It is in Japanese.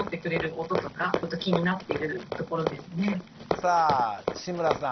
さあ志村さん